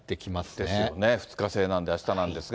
ですよね、２日制なんであしたなんですが。